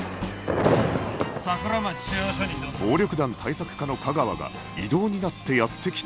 暴力団対策課の架川が異動になってやって来た